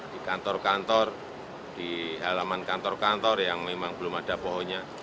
di kantor kantor di halaman kantor kantor yang memang belum ada pohonnya